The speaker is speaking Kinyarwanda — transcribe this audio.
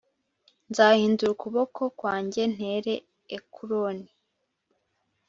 Nzahindura ukuboko kwanjye ntere Ekuroni